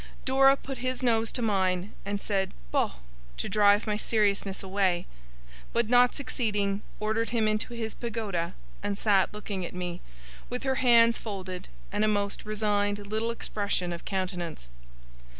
Dora put his nose to mine, and said 'Boh!' to drive my seriousness away; but, not succeeding, ordered him into his Pagoda, and sat looking at me, with her hands folded, and a most resigned little expression of countenance.